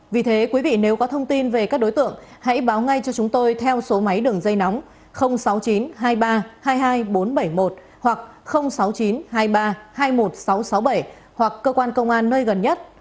vì thế quý vị nếu có thông tin về các đối tượng hãy báo ngay cho chúng tôi theo số máy đường dây nóng sáu mươi chín hai mươi ba hai mươi hai nghìn bốn trăm bảy mươi một hoặc sáu mươi chín hai mươi ba hai mươi một nghìn sáu trăm sáu mươi bảy hoặc cơ quan công an nơi gần nhất